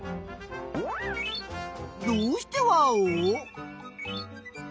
どうしてワオ？